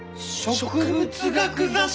植物学雑誌？